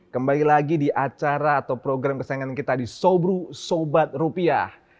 kembali lagi di acara atau program kesayangan kita di sobru sobat rupiah